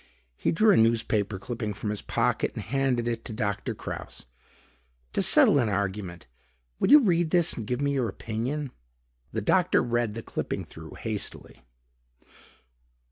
He drew a newspaper clipping from his pocket and handed it to Doctor Kraus. "To settle an argument, would you read this and give me your opinion?" The doctor read the clipping through hastily.